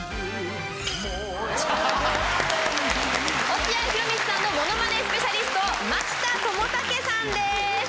落合博満さんのものまねスペシャリスト牧田知丈さんです。